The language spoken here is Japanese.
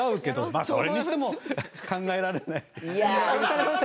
まあそれにしても考えられない。